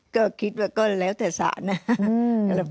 ก็คิดว่าก็แล้วแต่สานนะ